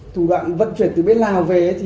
thủ đoạn vận chuyển từ bên lào về